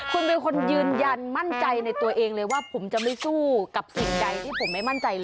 คุณเป็นคนยืนยันมั่นใจในตัวเองเลยว่าผมจะไม่สู้กับสิ่งใดที่ผมไม่มั่นใจเลย